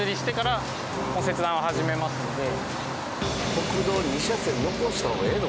国道２車線残した方がええの？